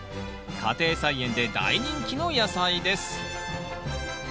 家庭菜園で大人気の野菜です。